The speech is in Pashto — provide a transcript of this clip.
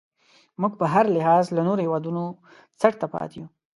موږ په هر لحاظ له نورو هیوادونو څټ ته پاتې یو.